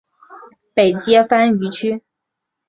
北接番禺区。